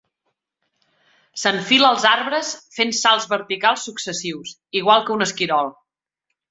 S'enfila als arbres fent salts verticals successius, igual que un esquirol.